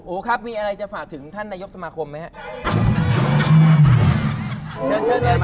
ครับมีอะไรจะฝากถึงท่านนายกสมาคมไหมครับ